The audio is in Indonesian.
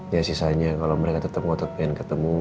ya sisanya kalo mereka tetep mau ketemu